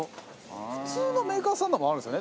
普通のメーカーさんのもあるんですね。